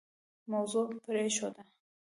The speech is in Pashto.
موضوع پرېښوده.